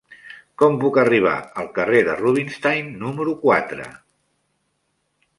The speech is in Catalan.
Com puc arribar al carrer de Rubinstein número quatre?